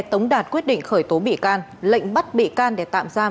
tống đạt quyết định khởi tố bị can lệnh bắt bị can để tạm giam